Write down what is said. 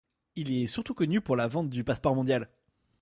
Il est surtout connu pour la vente du Passeport mondial.